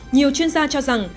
nhiều chuyên gia cho rằng